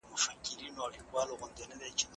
ټیکنالوژي د فقر په کمولو کې مرسته کوي.